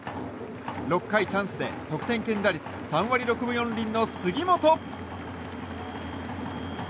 ６回、チャンスで得点圏打率３割６分４厘の杉本。